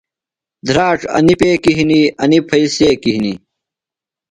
دھراڇ انیۡ پیکیۡ ہِنیۡ، انیۡ پھئیۡ څیکیۡ ہِنیۡ